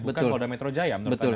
bukan polda metro jaya menurut anda